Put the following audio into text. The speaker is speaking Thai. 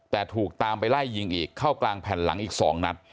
แต่ถูกตามไปไล่ยิงอีกเข้ากลางแผ่นหลังอีก๒นัด